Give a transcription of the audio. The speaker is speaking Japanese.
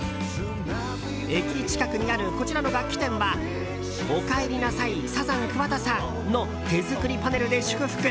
駅近くにあるこちらの楽器店は「おかえりなさいサザン桑田さん」の手作りパネルで祝福。